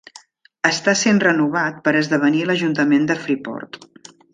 Està sent renovat per esdevenir l'Ajuntament de Freeport.